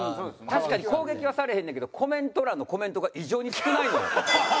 確かに攻撃はされへんねんけどコメント欄のコメントが異常に少ないのよ。